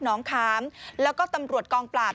น้องคามแล้วก็ตำรวจกองปราบ